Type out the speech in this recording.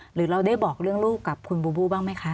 หรือเราได้บอกเรื่องลูกกับคุณบูบูบ้างไหมคะ